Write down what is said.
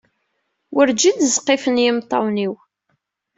Urjin ẓqifen yimeṭṭawen-iw.